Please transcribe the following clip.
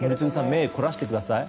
目を凝らしてください。